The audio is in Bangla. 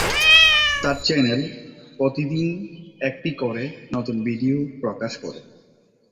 তার চ্যানেল প্রতিদিন একটি করে নতুন ভিডিও প্রকাশ করে।